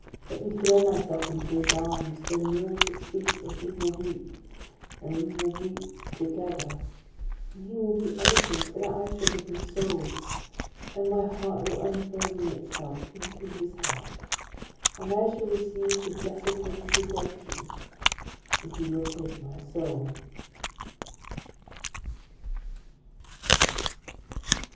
Let me throw myself into his arms; then kneel at his feet, and he will weep, and we will weep together; and he will be* eloquent, and I shall be consoled, and my heart will un burthen itself into his heart, — and I shall receive the blessed hope of Redemption, and he will take my Soul!